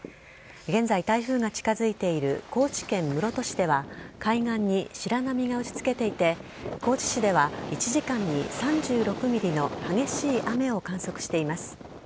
現在、台風が近づいている高知県室戸市では海岸に白波が打ちつけていて高知市では１時間に３６ｍｍの激しい雨を観測しています。